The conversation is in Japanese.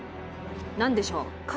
何でしょう？